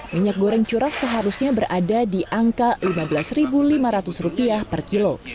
minyak goreng curah seharusnya berada di angka rp lima belas lima ratus per kilo